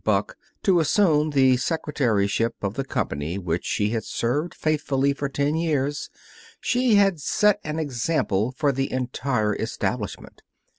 Buck, to assume the secretaryship of the company which she had served faithfully for ten years, she had set an example for the entire establishment.